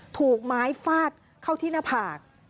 ถูกไม้ฟาดเข้าที่หน้าผาก